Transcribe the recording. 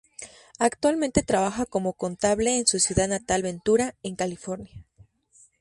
Actualmente trabaja como contable en su ciudad natal Ventura, en California.